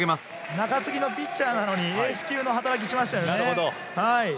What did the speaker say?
中継ぎのピッチャーなのにエース級の活躍しましたよね。